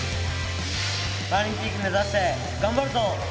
パラリンピック目指してがんばるぞ！